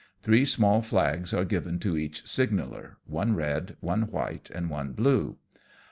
Three small flags are given to each signaller, one red, one white, and one blue.